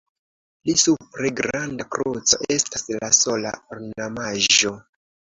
Pli supre granda kruco estas la sola ornamaĵo.